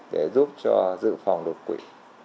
để giúp cho dự phòng độc quỷ